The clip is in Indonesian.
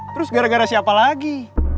terus gara gara siapa lagi